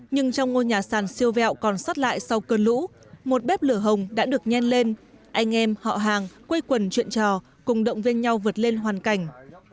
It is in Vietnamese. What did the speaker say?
nhưng trong ngôi nhà sàn siêu vẹo còn sót lại sau cơn lũ một bếp lửa hồng đã được nhen lên anh em họ hàng quây quần chuyện trò cùng động viên nhau vượt lên hoàn cảnh